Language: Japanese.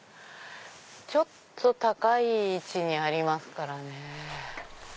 ちょっと高い位置にありますからね。